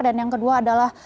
dan yang kedua adalah